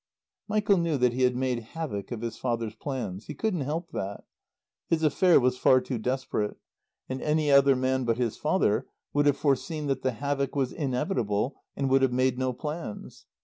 Michael knew that he had made havoc of his father's plans. He couldn't help that. His affair was far too desperate. And any other man but his father would have foreseen that the havoc was inevitable and would have made no plans.